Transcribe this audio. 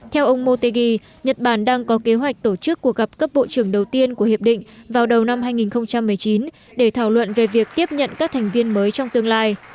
theo ông motegi nhật bản đang có kế hoạch tổ chức cuộc gặp cấp bộ trưởng đầu tiên của hiệp định vào đầu năm hai nghìn một mươi chín để thảo luận về việc tiếp nhận các thành viên mới trong tương lai